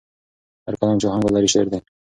هر کلام چې آهنګ ولري، شعر دی.